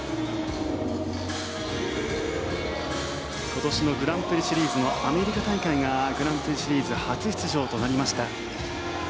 今年のグランプリシリーズのアメリカ大会がグランプリシリーズ初出場となりました。